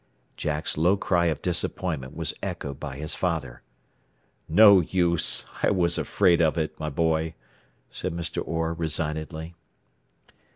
Jack's low cry of disappointment was echoed by his father. "No use. I was afraid of it, my boy," said Mr. Orr resignedly.